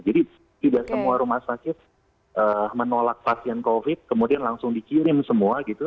jadi tidak semua rumah sakit menolak pasien covid sembilan belas kemudian langsung dikirim semua gitu